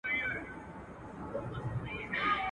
د اوښکو شپه څنګه پر څوکه د باڼه تېرېږي.